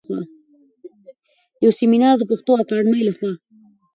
يو سمينار د پښتو اکاډمۍ لخوا